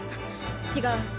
違う。